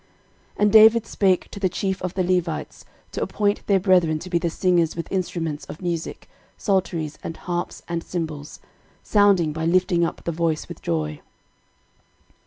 13:015:016 And David spake to the chief of the Levites to appoint their brethren to be the singers with instruments of musick, psalteries and harps and cymbals, sounding, by lifting up the voice with joy.